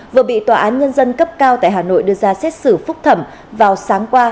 vừa bị tòa án nhân dân cấp cao tại hà nội đưa ra xét xử phúc thẩm vào sáng qua